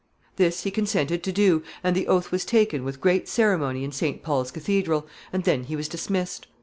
This he consented to do, and the oath was taken with great ceremony in St. Paul's Cathedral, and then he was dismissed.